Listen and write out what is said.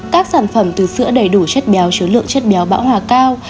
các sản phẩm từ sữa đầy đủ chất béo chứa lượng chất béo bão hòa cao